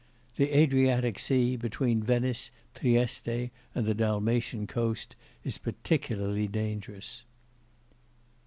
The Adriatic Sea between Venice, Trieste, and the Dalmatian coast is particularly dangerous.